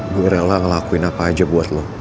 gue rela ngelakuin apa aja buat lo